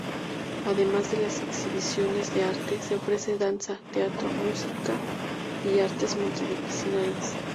Además de las exhibiciones de arte, se ofrece danza, teatro, música y artes multidisciplinarias.